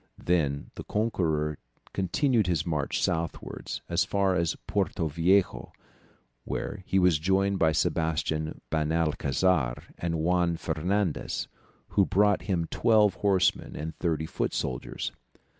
Then the conqueror continued his march southwards as far as Porto Viejo, where he was joined by Sebastian Benalcazar and Juan Fernandez, who brought him twelve horsemen and thirty foot soldiers.